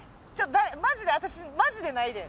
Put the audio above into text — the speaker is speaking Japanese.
マジで私マジでないで。